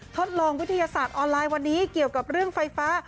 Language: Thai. ทดลองวิทยาศาสตร์ออนไลน์วันนี้เกี่ยวกับเรื่องไฟฟ้า